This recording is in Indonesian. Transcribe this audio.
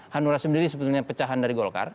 hanura sendiri sebetulnya pecahan dari golkar